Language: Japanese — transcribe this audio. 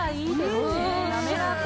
滑らか。